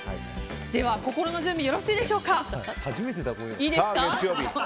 心の準備よろしいでしょうか。